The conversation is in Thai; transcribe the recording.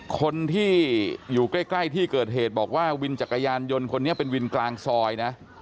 คนที่อยู่ใกล้ที่เกิดเหตุบอกว่าวินจักรยานยนต์คนนี้เป็นวินกลางซอยนะ